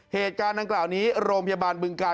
เฮจจานตอนนี้โรงพยาบาลบึงการ